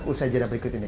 usai jadwal berikut ini